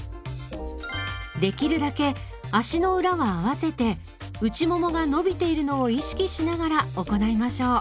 できるだけ足の裏は合わせて内ももが伸びているのを意識しながら行いましょう。